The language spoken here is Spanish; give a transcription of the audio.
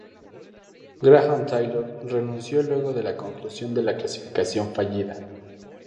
Graham Taylor renunció luego de la conclusión de la clasificación fallida.